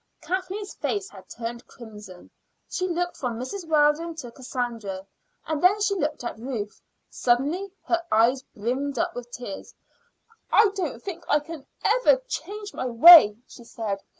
Kathleen's face had turned crimson. She looked from Mrs. Weldon to Cassandra, and then she looked at Ruth. Suddenly her eyes brimmed up with tears. "I don't think I can ever change my way," she said.